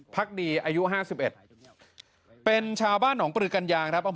พักดีอายุห้าสิบเอ็ดเป็นชาวบ้านปรึกรรยางนะครับ